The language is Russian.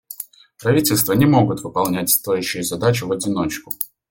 Правительства не могут выполнять стоящую задачу в одиночку.